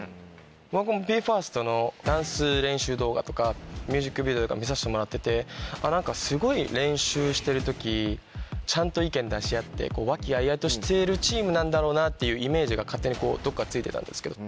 僕もＢＥ：ＦＩＲＳＴのダンス練習動画とかミュージックビデオとか見させてもらっててすごい練習してる時。としてるチームなんだろうなっていうイメージが勝手にどっかついてたんですけど。